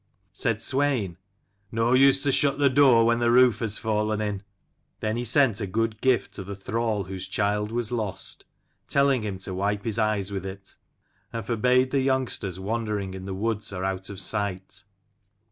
Said Swein, " No use to shut the door when the roof has fallen in." Then he sent a good gift to the thrall whose child was lost, telling him to wipe his eyes with it : and forbade the youngsters wandering in woods or out of sight.